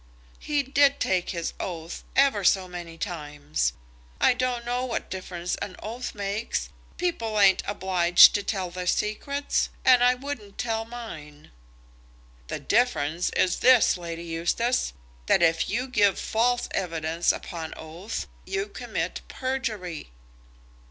"He did take his oath, ever so many times. I don't know what difference an oath makes. People ain't obliged to tell their secrets, and I wouldn't tell mine." "The difference is this, Lady Eustace; that if you give false evidence upon oath, you commit perjury."